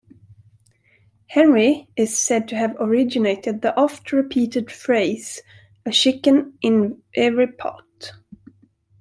Henry is said to have originated the oft-repeated phrase, "a chicken in every pot".